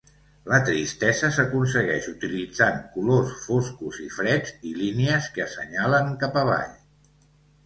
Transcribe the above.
La tristesa s'aconsegueix utilitzant colors foscos i freds i línies que assenyalen cap avall.